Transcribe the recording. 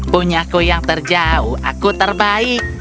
punyaku yang terjauh aku terbaik